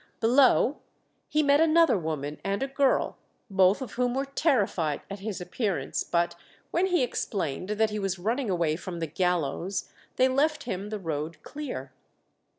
Below he met another woman and a girl, both of whom were terrified at his appearance, but when he explained that he was running away from the gallows they left him the road clear.